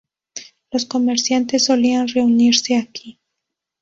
Los comerciantes solían reunirse aquí.